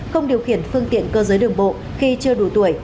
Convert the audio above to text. không điều khiển phương tiện cơ giới đường bộ khi chưa đủ tuổi